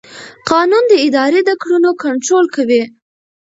قانون د ادارې د کړنو کنټرول کوي.